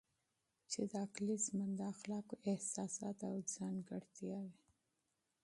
چې د عقلې ژوند د اخلاقو احساسات او خصوصیات